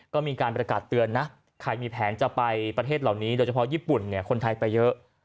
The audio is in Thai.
ก็มีการประกาศเตือนนะใครมีแผนจะไปประเทศเหล่านี้โดยเฉพาะญี่ปุ่นเนี่ยคนไทยไปเยอะ